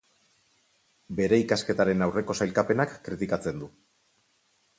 Bere ikasketaren aurreko sailkapenak kritikatzen du.